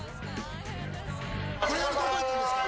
これからどこへ行くんですか？